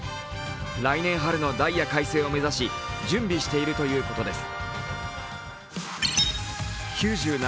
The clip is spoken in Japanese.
来年春のダイヤ改正を目指し準備しているということです。